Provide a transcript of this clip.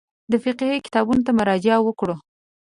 د فقهي کتابونو ته مراجعه وکړو.